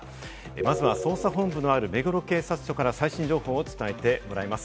まずは捜査本部のある目黒警察署から最新情報を伝えてもらいます。